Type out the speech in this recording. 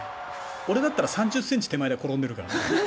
俺だったら３０ｃｍ手前で転んでるからね。